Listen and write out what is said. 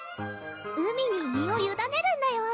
海に身を委ねるんだよ！